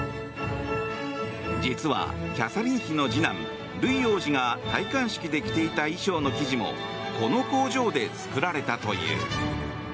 実は、キャサリン妃の次男ルイ王子が戴冠式で着ていた衣装の生地もこの工場で作られたという。